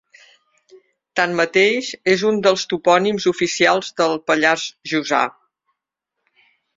Tanmateix, és un dels topònims oficials del Pallars Jussà.